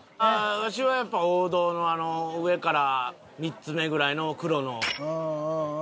わしはやっぱ王道の上から３つ目ぐらいの黒の剣かな。